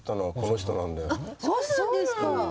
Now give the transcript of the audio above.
あっそうなんですか。